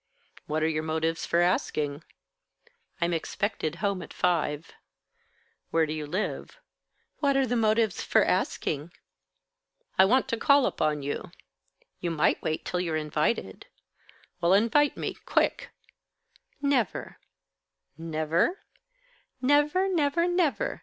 "What are your motives for asking?" "I'm expected at home at five." "Where do you live?" "What are the motives for asking?" "I want to call upon you." "You might wait till you're invited." "Well, invite me quick!" "Never." "Never?"